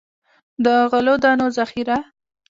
د غلو دانو ذخیره.